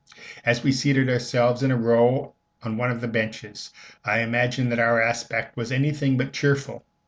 As we seated ourselves in a row on one of the benches, I imagine that our aspect was anything but cheerful.